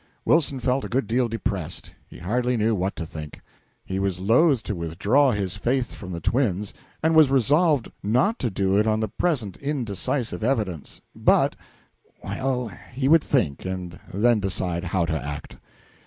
Wilson felt a good deal depressed. He hardly knew what to think. He was loath to withdraw his faith from the twins, and was resolved not to do it on the present indecisive evidence; but well, he would think, and then decide how to act.